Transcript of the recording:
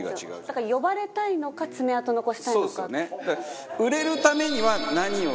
だから呼ばれたいのか爪痕を残したいのか。